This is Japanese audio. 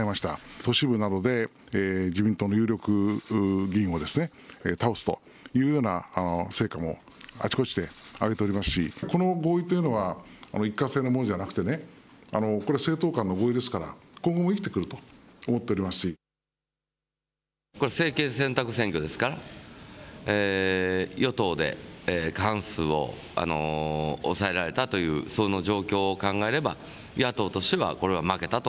都市部などで自民党の有力議員を倒すというような成果も、あちこちで上げておりますし、この合意というのは、一過性のものじゃなくてね、これ、政党間の合意ですから、今後も生これ、政権選択選挙ですから、与党で過半数を抑えられたという、その状況を考えれば、野党としてはこれは負けたと。